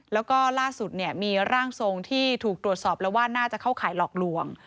แล้วก็ล่าสุดเนี่ยมีร่างทรงที่ถูกตรวจสอบแล้วว่าน่าจะเข้าข่ายหลอกลวง